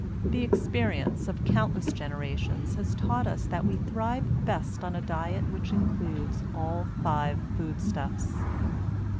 The experience of countless generations has taught us that we thrive best on a diet which includes all five food stuffs.